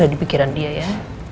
di pikiran dia ya